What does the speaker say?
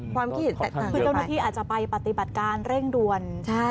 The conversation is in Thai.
ความคิดเห็นต่างอาจจะไปปฏิบัติการเร่งด่วน